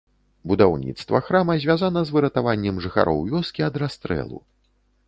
Будаўніцтва храма звязана з выратаваннем жыхароў вёскі ад расстрэлу.